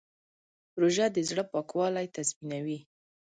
روژه د زړه پاکوالی تضمینوي.